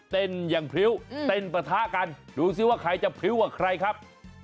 เต้นอย่างพริ้วเต้นปะทะกันดูซิว่าใครจะพริ้วกับใครครับ